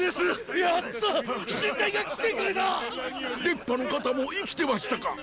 出っ歯の方も生きてましたか！